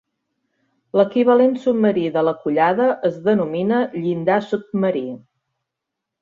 L'equivalent submarí de la collada es denomina llindar submarí.